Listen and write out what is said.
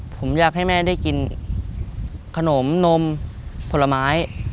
ผมอยากให้แม่ได้กินขนมนมผลไม้